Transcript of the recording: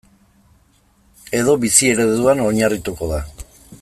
Edo bizi ereduan oinarrituko da.